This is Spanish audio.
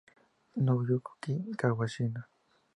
Nobuyuki Kawashima